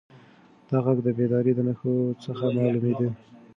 دا غږ د بیدارۍ د نښو څخه معلومېده.